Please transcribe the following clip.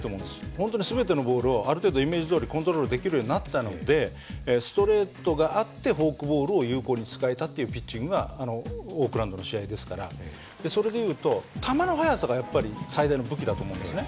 本当に全てのボールをある程度イメージどおりコントロールできるようになったのでストレートがあってフォークボールを有効に使えたというピッチングがオークランドの試合ですからそれで言うと球の速さがやっぱり最大の武器だと思うんですね。